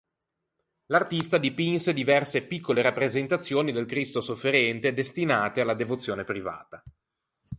L'artista dipinse diverse piccole rappresentazioni del Cristo sofferente, destinate alla devozione privata.